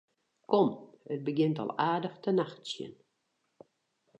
Kom, it begjint al aardich te nachtsjen.